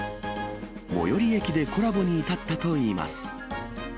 最寄り駅でコラボに至ったといいます。